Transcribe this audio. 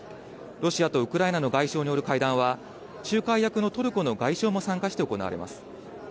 ロシアとウクライナの外相による会談は、仲介役のトルコの外相も参加して行われます。